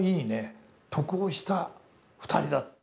得をした２人だ。